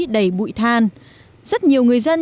đầy bụi than rất nhiều người dân